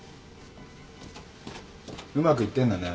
うまくいってんだね。